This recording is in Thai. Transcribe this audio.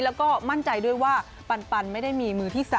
แล้วก็มั่นใจด้วยว่าปันไม่ได้มีมือที่๓